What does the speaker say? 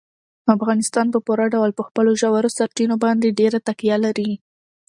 افغانستان په پوره ډول په خپلو ژورو سرچینو باندې ډېره تکیه لري.